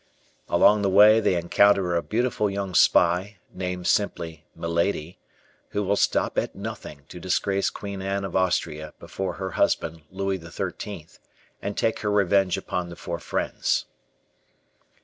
Along the way, they encounter a beautiful young spy, named simply Milady, who will stop at nothing to disgrace Queen Anne of Austria before her husband, Louis XIII, and take her revenge upon the four friends.